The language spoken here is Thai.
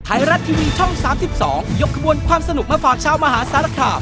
ไทรัตทีวีช่อง๓๒ยกกระบวนความสนุกมาฝากชาวมหาศาลกราฟ